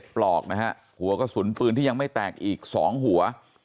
ปลอกนะฮะหัวกระสุนปืนที่ยังไม่แตกอีก๒หัว